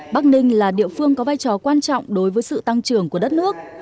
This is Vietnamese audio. bắc ninh là địa phương có vai trò quan trọng đối với sự tăng trưởng của đất nước